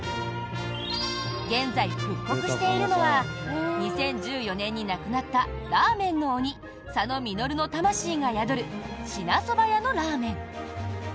現在、復刻しているのは２０１４年に亡くなったラーメンの鬼、佐野実の魂が宿る支那そばやのラーメン。